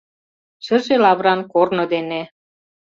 Шыже лавыран корно дене